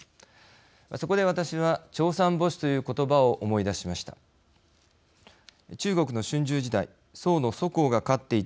そこで私は朝三暮四という言葉を思い出しました。